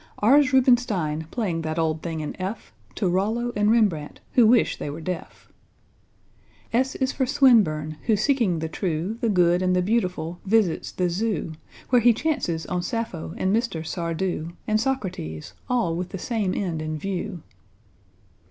_ =R='s =R=ubenstein, playing that old thing in F To =R=ollo and =R=embrandt, who wish they were deaf. =S= is for =S=winburne, who, seeking the true, the good, and the beautiful, visits the Zoo, Where he chances on =S=appho and Mr. =S=ardou, And =S=ocrates, all with the same end in view.